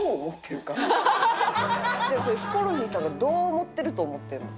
それヒコロヒーさんがどう思ってると思ってるの？